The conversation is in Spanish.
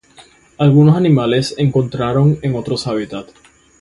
Algunos animales encontraron en otros hábitat.